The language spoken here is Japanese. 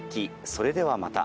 それではまた。